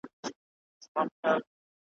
تر څو چي واک وي د ابوجهل ,